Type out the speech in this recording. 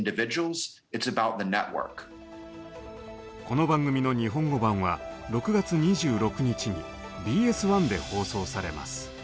この番組の日本語版は６月２６日にＢＳ１で放送されます。